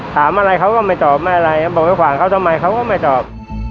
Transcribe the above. ถามอะไรเขาก็ไม่ตอบไม่อะไรบอกไปขวางเขาทำไมเขาก็ไม่ตอบ